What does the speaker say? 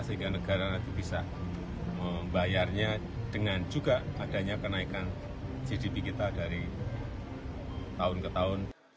sehingga negara nanti bisa membayarnya dengan juga adanya kenaikan gdp kita dari tahun ke tahun